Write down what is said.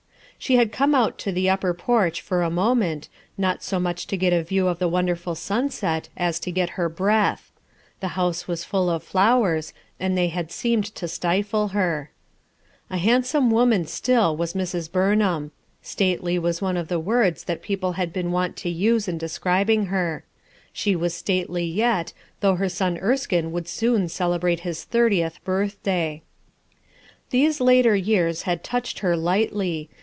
She had come out to the upper porch for a moment, not so much to get a view of the won derful sunset as to get her breath. The house was full of flowers, and they had seemed to stifle her. A handsome woman still was Mrs. Burnham. Stately was one of the words that people had been wont to use in describing her; she was stately yet, though her son Erskine would soon celebrate his thirtieth birthday, gs RUTH ERSKINE'S SON These later years had touched her lightly.